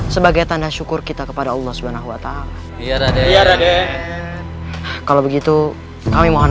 sebagai tanda syukur kita kepada allah subhanahuwata'ala iya raden kalau begitu kami mohon